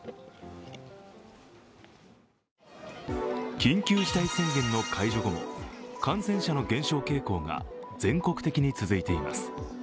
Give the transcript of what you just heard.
緊急事態宣言の解除後も感染者の減少傾向が全国的に続いています。